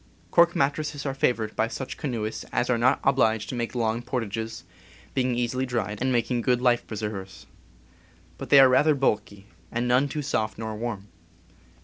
Cork mattresses are favored by such canoe ists as are not obliged to make long portages, being easily dried, and making good life preservers. But they are rather bulky, and none too soft nor warm.